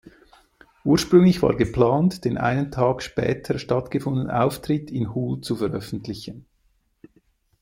Ursprünglich war geplant, den einen Tag später stattgefundenen Auftritt in Hull zu veröffentlichen.